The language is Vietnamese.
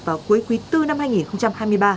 vào cuối quý bốn năm hai nghìn hai mươi ba